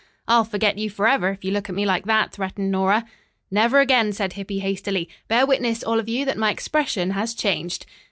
"I'll forget you forever if you look at me like that," threatened Nora. "Never again," said Hippy hastily. "Bear witness, all of you, that my expression has changed."